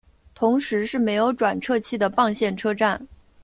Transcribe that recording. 同时是没有转辙器的棒线车站。